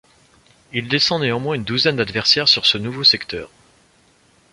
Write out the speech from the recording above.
Il descend néanmoins une douzaine d'adversaire sur ce nouveau secteur.